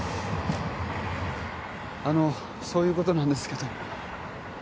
あのそういうことなんですけど